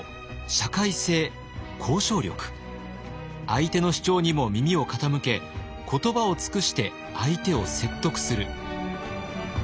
相手の主張にも耳を傾け言葉を尽くして相手を説得する。